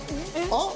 ・あっ？